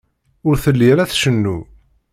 Ur telli ara tcennu.